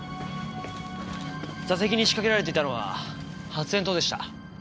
座席に仕掛けられていたのは発煙筒でした。